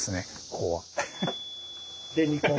ここは。